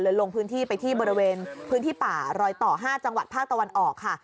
ลงพื้นที่ไปที่บริเวณพื้นที่ป่ารอยต่อ๕จังหวัดภาคตะวันออกค่ะ